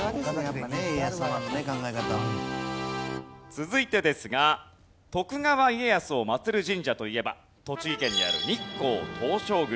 続いてですが徳川家康を祭る神社といえば栃木県にある日光東照宮。